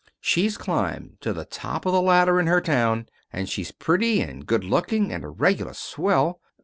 She's climbed to the top of the ladder in her town. And she's pretty, and young looking, and a regular swell.